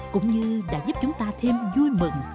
cũng như đã giúp chúng ta thêm vui mừng